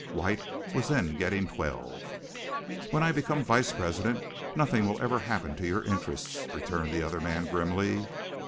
White was then getting twelve. "When I become vice president nothing will ever happen to your interests," returned the other man grimly.